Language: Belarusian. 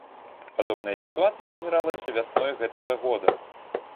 Падобная сітуацыя назіралася вясной гэтага года.